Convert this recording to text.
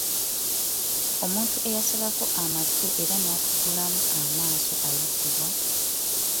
Omuntu eyasalwako amatu era n'atungulwamu amaaso ayitibwa?